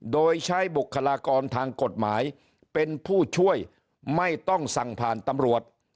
โดยใช้บุคลากรทางกฎหมายเป็นผู้ช่วยไม่ต้องสั่งผ่านตำรวจ